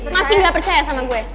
masih gak percaya sama gue